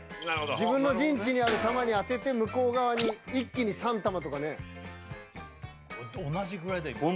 自分の陣地にある玉に当てて向こう側に一気に３玉とかね同じぐらいだよ